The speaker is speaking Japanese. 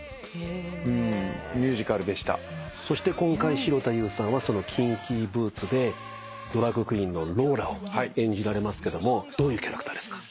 そして今回城田優さんはその『キンキーブーツ』でドラァグクイーンのローラを演じられますけどもどういうキャラクターですか？